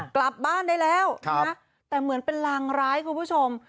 กลับบ้านได้แล้วนะแต่เหมือนเป็นรางร้ายคุณผู้ชม